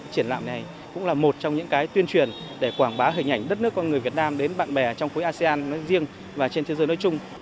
triển lãm này cũng là một trong những tuyên truyền để quảng bá hình ảnh đất nước con người việt nam đến bạn bè trong khối asean riêng và trên thế giới nói chung